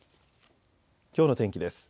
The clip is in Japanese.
きょうの天気です。